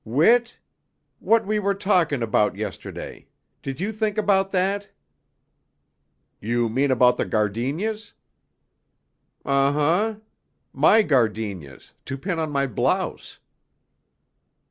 "Whit? What we were talking about yesterday. Did you think about that?" "You mean about the gardenias?" "Umhummm. My gardenias, to pin on my blouse."